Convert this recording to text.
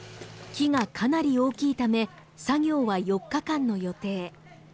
木がかなり大きいため作業は４日間の予定。